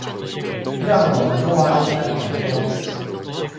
讓我們默哀三秒鐘